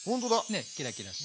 ねキラキラして。